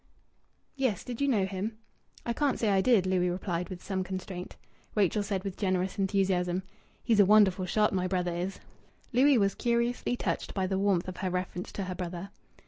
"Yes. Did you know him?" "I can't say I did," Louis replied, with some constraint. Rachel said with generous enthusiasm "He's a wonderful shot, my brother is!" Louis was curiously touched by the warmth of her reference to her brother.